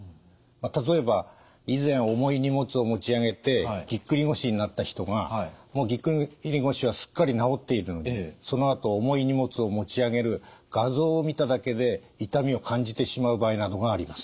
例えば以前重い荷物を持ち上げてぎっくり腰になった人がもうぎっくり腰はすっかり治っているのにそのあと重い荷物を持ち上げる画像を見ただけで痛みを感じてしまう場合などがあります。